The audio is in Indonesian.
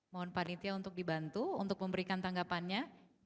mohon panitia untuk dibantu untuk memberikan tanggapannya